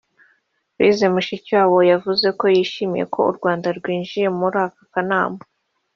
Louise Mushikiwabo yavuze ko yishimiye ko u Rwanda rwinjiye muri aka kanama